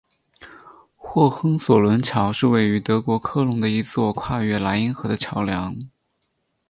霍亨索伦桥是位于德国科隆的一座跨越莱茵河的桥梁。